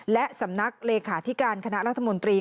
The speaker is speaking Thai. และสำนักเลขาธิการคณะรัฐมนตรี